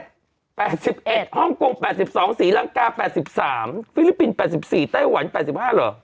๘๑ฮ่องกง๘๒ศรีลังกา๘๓ฟิลิปปินส์๘๔ไต้หวัน๘๕เหรอ